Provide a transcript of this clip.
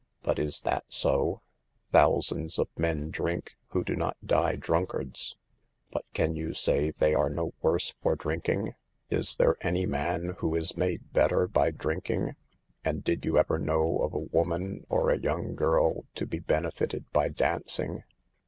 But is that so ? Thousands of men drink who do not die drunkards, but can you say they are no worse for drinking ? Is there any man who is made better by drink ing ? And did you ever know of a woman or a young girl to be benefited by dancing?